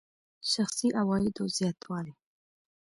شخصي عوایدو زیاتوالی.